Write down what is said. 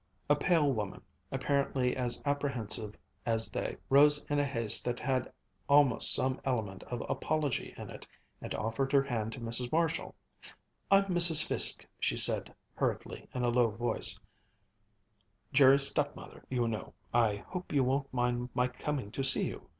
A pale woman, apparently as apprehensive as they, rose in a haste that had almost some element of apology in it, and offered her hand to Mrs. Marshall. "I'm Mrs. Fiske," she said hurriedly, in a low voice, "Jerry's stepmother, you know. I hope you won't mind my coming to see you.